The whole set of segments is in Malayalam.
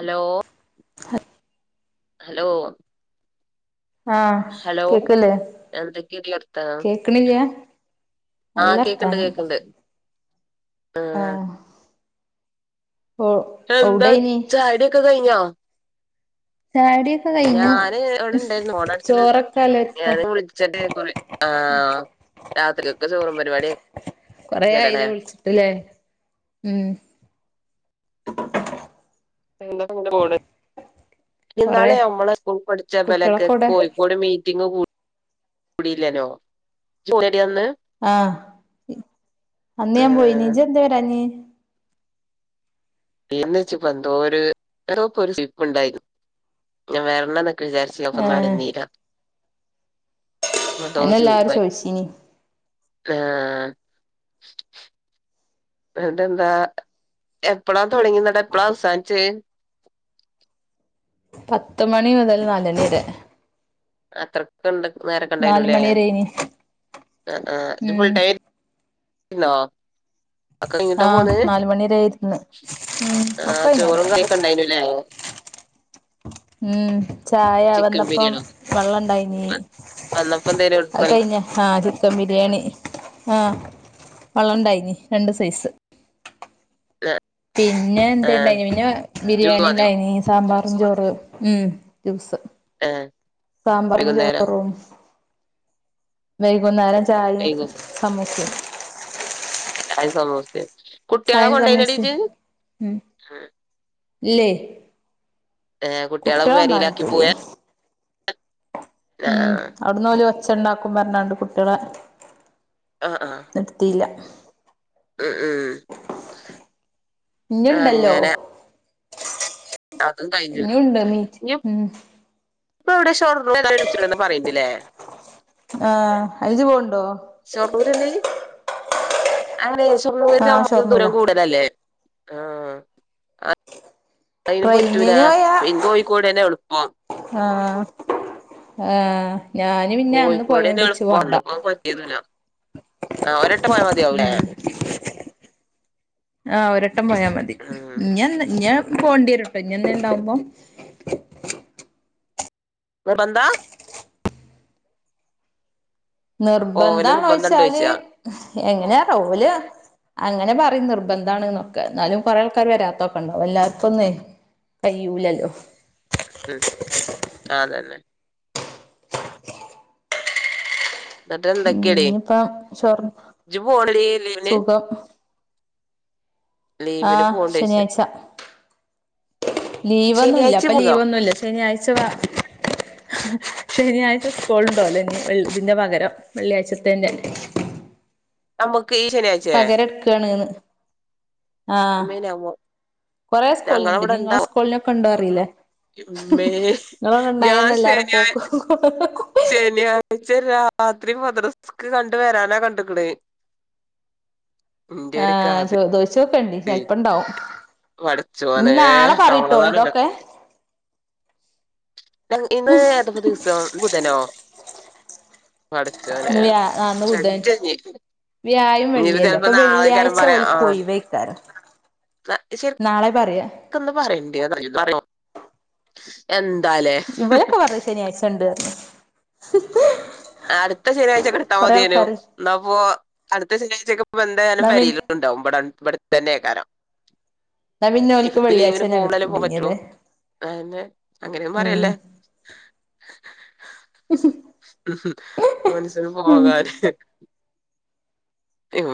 അലോ ഹലോ ആഹ് ഹലോ കേക്ക്ല്ലേ എന്തൊക്കെയടി കേക്ക്ണില്ലാ ആഹ് കേക്ക്ണ്ട് കേക്ക്ണ്ട് ആഹ് ഓ ഇപ്പെന്താ എവിടെനി ചായുടിയൊക്കെ കയിഞ്ഞോ ചായടിയൊക്കെ കഴിഞ്ഞു ഞാന് അവിടെണ്ടാരുന്നു ഫോണ അടിച്ച്ണേട്ടാ ചോറൊക്കെലക്ക ഞാന് വുളിച്ചന്നെ കൊറേ ആഹ് ഉം രാത്രിക്കേക്ക് ചോറും പരിപാടിയെ കൊറേ ആയിലേ വിളിച്ച്ട്ട്ല്ലേ ഉം എന്താപ്പം [unintelligible] കൊറെ ഇന്നാളെ നമ്മളെ സ്കൂൾ പഠിച്ച ഇബലൊക്കെ കുട്ടികളൊക്കെവിടെ കോഴിക്കോട് മീറ്റിംഗ് കൂ കൂടില്ലേല്ലോ ഇജ്ജ് പോയെ ആഹ് ഇ അന്ന് ആ ഞാൻ പോയിനി ഇജ്ജന്തേ വരാഞ്ഞ് പിന്നെച്ച്പ്പൊ എന്തോര് ഏടോക്കൊര് സുയിപ്പ് ഇണ്ടായി ഞാൻ വെരണന്നൊക്കെ വിചാരിച്ച് അഫം ഏഹ് നട്ന്നീലാ അപ്പന്തോ അന്നെ എല്ലാരും സുയിപ്പായി ചോദിച്ചീനി ഏഹ് ഏഹ് ട്ടെന്താ എപ്പളാ തൊടങ്ങീന്ന്ട്ട് എപ്പളാ അവസാന്ച്ചേ പത്ത് മണി മുതല് നാലണിയേരെ അത്രക്ക്ണ്ട് നേരക്കണ്ടായിനുല്ലേ മണി വരെനി ആഹ് ആഹ് ഇജ്ജ് ഉം ഫുൾടൈ മ്ന്നോ ഒക്ക കയിഞ്ഞ്ട്ടാ ആഹ് പോന്നേ നാല് മണി വരെ ഇരുന്ന് ഉം ഒക്കെ ആഹ് ചോറും വൈന്നേരായിരുന്നു കറിയൊക്കണ്ടായിനുല്ലേ ഉം ചായ ചിക്കൻ വന്നപ്പം ബിരിയാണിയോ വള്ളണ്ടായിനീ വന്നപ്പോ എന്തേലും അത് വൽ കഴിഞ്ഞ് ആഹ് ചിക്കൻ ബിരിയാണി ആഹ് വള്ളം ഇണ്ടായിനി രണ്ട് സൈസ് ആ പിന്നെ ആ എന്താണ്ടായിനെ പിന്നെ ജ്യൂസ് ബിരിയാണി മതിയോ ഇണ്ടായിനി സാമ്പാർ ഞ്ചോറ് ഉം ജ്യൂസ് ആ സാമ്പാറും വൈകുന്നേരം ചോറും വൈകുന്നേരം ചായയും വൈകും സമൂസയും ചായേ സമൂസയും കുട്ടികളെ ചായയും കൊണ്ടയിനൊടീ സമൂസയും ഇജ്ജ് ഉം ഇല്ലേ ഏഹ് കുട്ടികളെ കൊണ്ടോവാൻ പെരയിലാക്കി പോവേ പറ്റൂലേനി ഉം അവിടന്ന് ഓല് ഒച്ച ഇണ്ടാക്കും പറഞ്ഞണ്ട് കുട്ടികളെ ആ ആ നിർത്തിയില്ല ഉം ഉം ഇനുണ്ടല്ലോ അങ്ങനെ അതും കഴിഞ്ഞു ഇനിയുണ്ട് മീറ്റ് ഉം ഇപ്പൊ എവിടെ ഷോർറൂ പറയണ്ടില്ലേ ആഹ് അയ്ജ് പോവ്ണ്ടോ ശൊർണൂരല്ലേ അണേ ശൊർണുരിന്ന് ആഹ് നമുക്ക് ദൂരം ഷൊർണ്ണൂരാ കൂടലല്ലേ ആഹ് അയിനും പറ്റൂലാ ട്രെയിനിന് പോയാ പിന്നെ കോഴിക്കോട് തന്നെ ഉള്ളു ആഹ് ആഹ് ഞാന് പിന്നെ അന്ന് കോഴിക്കോടെന്നെ പോയോണ്ട് ഇച്ച് പോണ്ട ആഹ ഒരട്ടമായ മതിയാവും ഉം ആഹ് ഒരട്ടം പോയാ മതി ഇഞ ഇഞ പോണ്ടീരട്ടോ ഇനന്നണ്ടാവുമ്പോ [inaudible] വന്താ പോവല് നിർബന്ധാണോിച്ചാല് നിർബന്ധണ്ടോയ്ച്ചാ എങ്ങനെയാ റോല് അങ്ങനെ പറയും നിർബന്ധാണ് നോക്കെ എന്നാലും കുറേ ആൾക്കാാര് വരാത്തൊക്കെ ഉണ്ടാവോ എല്ലാവർക്കുംന്നേ കഴ്യൂലല്ലോ ഉം അതന്നെ എന്നിട്ട് ഉം എന്തൊക്കെയടജ ഇഞ്ഞിപ്പം ഷൊർ പോണട ലീന് സുഖം ആഹ പോവ്ണ്ടോയ്ച്ച ശനിയാഴ്ച ലീവ്ൊന്നുമല്ല ശനിയാഴ്ച അപ്പൊ ലീവ് പോകാം ഒന്നുമല്ല ശനിയാഴ്ച വ ശനിയഴ് സ്കൾ ഉണ്ടോ അല്ലേ ഇതിന്റെ പകരം വെള്ളിയാഴ്ചത്തന്നന്നെ നമ്മക്ക് ഈ പകരം എടുക്കയാണ്ന്ന് മേലെ്പോ കൊറെേ സ്കൂളിനുണ്ട് നിങ്ങള സ്കൂളിനൊക്കെ ഉണ്ടോ അറിയില്ലേ ഉമ്മേ ഞാൻ എല്ലാരും പോക്ക് ശനിയാഴ്ച ശനിയാഴ്ച രാ രാത്രി മദ്രസ്ക് കണ്ട വരാനാ കണ്ടക്കട ആഹ ചോദോ ച്ചക്കണ്ട് ചെല്പ്പ ഇണ്ടാവും പടച്ചോനെ ഇ നാളെ പറീട്ടോ സമാധാനല്ല എതൊക്കെ ഇന്ന് ഏതപ്പോ ദിവസം ബുധനോ പഠച്ച്ു അനെ ശ്രധ ചെയ വ്യായമം വെള്ളിയല്ലേ അപ്പൊ വെള്ളിയാഴ്ച പറയാ ഓലക്കയി വയ്ക്കാറ് നാളെ പറയാ പറയണ്ട പറ എ ഇവളൊക്കെ പറഞ്ഞു ശനിയാഴ്ചണ്ട്ന്ന് അടുത്ത ശനിയാഴ്ചക്കെ എടുത്താൽ മതിയേനു എന്നപ്പോൊ അടുത്ത ശനിയാഴ്ച എന്താലും എന്നാ വരില പിന്നെ ഉണ്ടാവും ഇവിട ഇവി തന്നെ കേക്കാനോ എന്നാ പിന്നെ ഓൽക്ക് ഇപ്പ വെള്ളിയാഴ്ച ലീവിന് തന്നെ പോക്പാലേ പോ പറ്റോ എടുത്തൂടേനിയല്ലേ അന്നെ അങ്ങനെയ പറയല്ലേ അ മനസ്സിന് പോകാത ഇ്മ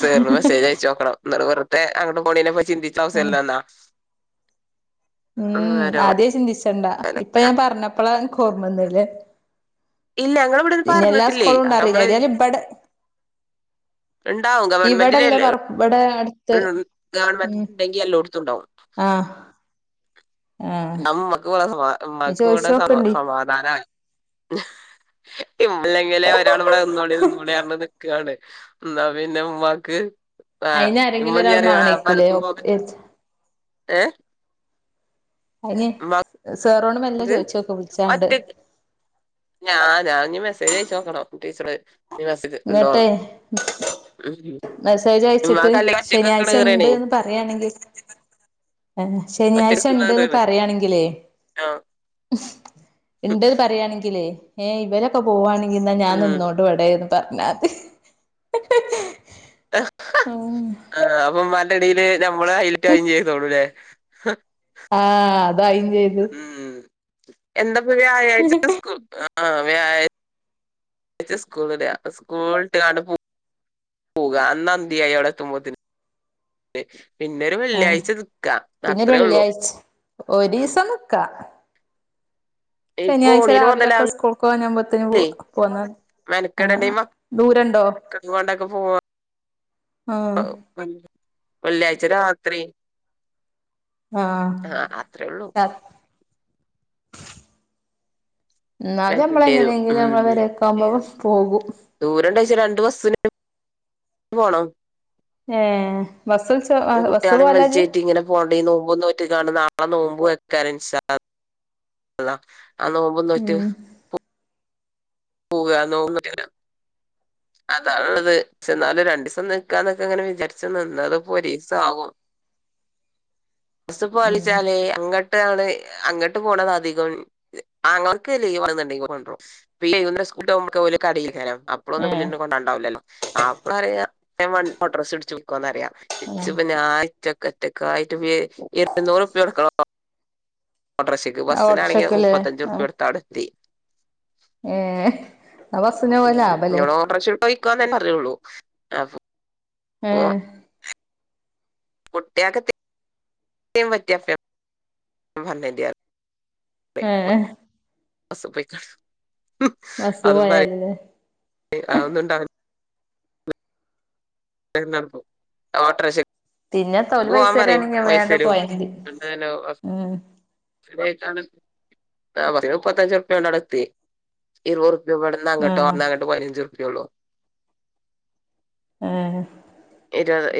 സേറിന് മെസജ്യച്ച നോക്കണം എന്നാ വെറുത്തെ അങ്ങട്ട പോണെ ചിന്തി ചൗസ് എല്ലാന്ന ഉം ആദ്യേ ചിന്തിച്ചണ്ടാ ഇപ്പൊ അലക്ക ഞാൻ പറഞ്ഞപ്പോളെ എ ഓർമ്മ ഒന്നല് ഇല്ല ഞങ്ങളിവിടെ പിന്നെ എല്ലാ പറഞ്ഞിട്ടില്ലേ സ്കൂളും അത് നമ്മള് ഉണ്ടറിയില്ലായിാലും ഇവിടെ [inaudible] ഉണ്ടാവും ഗവൺമെന്റിന്റെല്ല ഇവിടെ അടുത്ത് ഗവൺമെന്റ് ഉണ്ടെങ്കിൽ എല്ലാം കൊടുത്തുണ്ടാവും ആഹ നമ്മക്ക് കൂടെ സമാ ഇനി മമ്മക്ക് കൂടെ സമാ ചോയിച്ചോക്കണ്ടി സമാധാന അല്ലെങ്കിലെ ഒരാള ഇവിടെ ഇന്നോടെ നിന്നോടെ അ നിക്കയാണ് എന്നാ പിന്നെ ഉമ്മാക്ക് ആ് അയിന് ആരെങ്കിലും ഇമ്മറിയ ഒരാൾ മാണേക്കൂലേ പലുപ്പ പോക ഒപ്പ് ഏ അന സറോണ ഒറ്റ ഞാതഞാഞ് മെസ്സേജ് അയച്ച നോക്കണോ ീച്ചറ ഇങ്ങട്ടെ ഉം മെസേജ അയച്ചിട്ട് ഉമ്മാക്ക് അല്ലെങ്കി ഒറ്റക്ക് നിക്കണ ശനിയാഴ്ച ഈറേണേ ഉണ്ട്ന്ന് പറയയാണെങ്കിൽ ആ ശനിയാഴ്ച ഉണ്ട്ന്ന് പറയാണെങ്കിലേ ആ ഉണ്ടത് പറയുകയാണെങ്കിൽേ ഏ ഇവരൊക്കെ പോവുകവാണെങ്കിൽാ ഞാൻ ഉം നിന്നോട്ട് വിടരുന്നു പറഞ്ഞാത് ആ അപ്പം നല്ലടയില് നമ്മള് ഹൈറ്റ് ക ചെയ്തോളൂല്ലേ ആഹ് അതായിയും ചെയ്തു ഉം എന്താപ്പ വ്യാഴാഴ്ച്ച സ്കൂ ആ വ്യാഴാഴ് സ്കൂളട്ആ സ്കൂളിട്ട് കാ പോകാ അന്നതിയ എവിടെത്തുമ്പത്തിന് പിന്നെരു ആഹ് വെള്ളിയാഴ്ച നിക്കാ പിന്നെ അത്രയേ ഉള്ളൂ വെള്ളിയാഴ്ച ഒരീസം നിക്കാ ഇപ്പൊ ശനിയാഴ്ച ഓണിന് രാവിലൊക്കെ മുതലാവില്ലേ സ്കൂൾക്ക് പോവാനാവുപോത്തിന് പോ പോന്നാണ് മെനക്കെടണ്ട കൊണ്ടൊക്കെ പോവ ആഹ് [inaudible] വെള്ളിയാഴ്ച രാത്രി ആഹ് അത്രേ ഉള്ളു എന്നാല് നമ്മള് വരണ്ടിവരും എങ്ങനെയെങ്കിലും നമ്മെ ഉം വരക്കാകോമ്പോ പോകും ദൂരണ്ടോയ്ച്ചാ രണ്ട് ബസ്സിന് പോണം ഏഹ് ബസ് വിളിച്ചോ ബസ് കുട്ടികളെ പോവലാ ഇജ്ജ് വലിച്ചേറ്റി ഇങ്ങനെ പോകണ്ടെ നോമ്പോന്നറ്റാണ് നാളെ നോമ്പോ പോ വെക്കാരൻ [unintelligible] ആ നോമ്പ്ന്നട്ട് ഉം പോവ നോന്ന്ല്ല അതാണത് പക്ഷ എന്നാലും രണ്ടീസം നിൽക്കാന്നൊക്കെ അങ്ങനെ വിചാരിച്ച നിന്ന അത് പൊരീസ ആവും ഉം പസപ്പളിച്ചാലേ അങ്ങട്ട അങ്ങോട്ട് പോണ അധികംൾക്ക് ലണ്ടെങ്ക കട്ട നമുക്ക് ഒരു കടിയിൽരം അപ്പൊളൊന്നും ഏഹ് പിന്നീ കൊണ്ടാവില്ലല്ലോ മാപ്പളറിയാ ഞാൻ വ ഓട്ടർസ്സ് ഇടിച്ചു ആഹ് വിക്കുവന്നറിയാംറ്റക്കെറ്റക്ക ഇരുന്നൂറ്പ്യ കൊട്ക്കണം ഓട്ടോറിക്ഷയ്ക്ക് ബസ്സിനാണെങ്കിൽ ഓട്ടോറിക്ഷക്കല്ലേ മുപ്പത്തഞ്ച്ർപ്യ കൊടുത്താവിടുത്തി ഏ ആ ബസിന് പോവ ലാ നിങ്ങോ ഓർഡർച്ച പൊഴിക്കോന്ന് തന്നെ പറിയുള്ളൂ അപ്പൊ ഏഹ് കുട്ടിയാക [unintelligible] [unintelligible] ഏഹ് ബസ് പോയിക്ക ബസ് അതും പോയാലല്ലേ ആ ഒന്നുംണ്ടാവില്ല [unintelligible] ഓട്ടർഷ പിന്നെ തോല് പോവാൻ പൈസ പറയും തരാണെങ്കി വേണ്ട പൈസരും പോയാ മതി തന്നെ ഉം മുപ്പത്തഞ്ച് രൂപ കൊണ്ട് അടുത്തി ഇരുപർ ഇ ഇവിടുന്ന് ആ അങ്ങോട്ടോ വന്ന അങ്ങോട്ട് പതിനഞ്ച് റുപ്യള്ളു ഏഹ്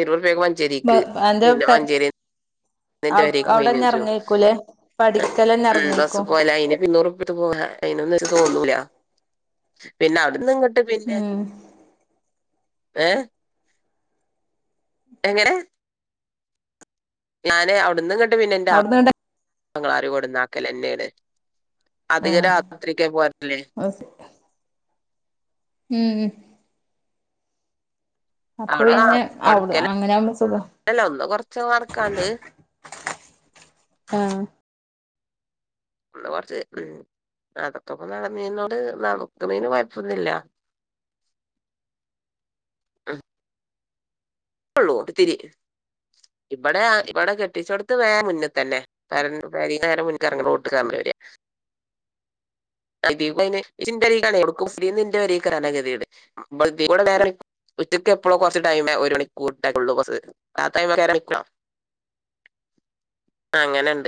ഇരുപർപ്യ മ ഞ്ചേരിക്ക് എന്താ [unintelligible] എന്റെ പെരേക്ക് പോയേനെ ചോദിച്ച് ഉം പഠിക്കലന്നെ ബസ്സ് ഇറങ്ങേക്കും [unintelligible] അതിനൊന്നും ഇത് തോന്നൂല പിന്നെ അവിടുന്ന് ഇ ഉം ഏ എങ്ങനെ ഞാന് അവിടന്ന് കണ്ട അവിടുന്ന് കണ്ട ഞങ്ങൾ അറിവോടന്ന് ആക്കല് തന്നെയാണ് ആ അധിക രാത്രിക്ക് പോരല്ലേ ഉം അപ്പൊ അവിടെ പിന്നെ അവിടെ അങ്ങനെ ആകുമ്പോ സുഖാ പടുക്കലല്ല ഒന്ന് കൊറച്ച് നടക്കാനുണ്ട് ആ ഒന്ന് കൊറച്ച് ഉം അതൊക്കെ ഇപ്പോ നടന്നീനോട് നടക്കുന്നതിന് കൊയപ്പോ ഒന്നൂല്ല ആ ഉള്ളൂ ഇത്തിരി ഇവിടെ ഇവിടെ കെട്ടിച്ചിടത്ത് പേരേടെ മുന്നെ തന്നെ പെരേടെ നേരെ മുന്നില് ഇറങ്ങണ കൂട്ട് [unintelligible] [unintelligible] ഇതികൂടെ നേരെ ഇങ്ങക്ക് എപ്പോഴാ കുറച്ച് ടൈമ് ഒരു മണി [unintelligible] ഉള്ളു ബസ് [unintelligible] ആ അങ്ങനെണ്ട്